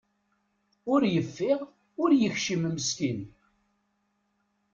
Ur yeffiɣ, ur yekcim meskin.